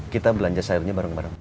kita belanja sayurnya bareng bareng